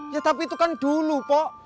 ya tapi itu kan dulu pok